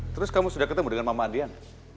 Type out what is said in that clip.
terus kamu sudah ketemu dengan mama adian